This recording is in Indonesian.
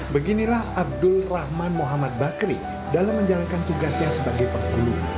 beginilah abdul rahman muhammad bakri dalam menjalankan tugasnya sebagai penghulu